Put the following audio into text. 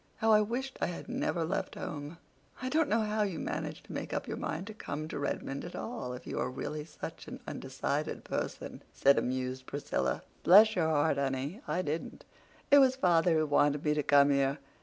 How I wished I had never left home!" "I don't know how you managed to make up your mind to come to Redmond at all, if you are really such an undecided person," said amused Priscilla. "Bless your heart, honey, I didn't. It was father who wanted me to come here.